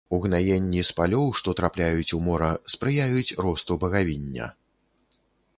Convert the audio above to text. Угнаенні з палёў, што трапляюць у мора, спрыяюць росту багавіння.